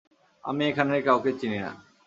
আমি এখানের কাউকে চিনি না।